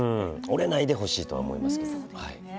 折れないでほしいとは思いますけど。